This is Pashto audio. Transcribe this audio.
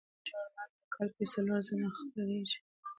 پملا ژورنال په کال کې څلور ځله خپریږي.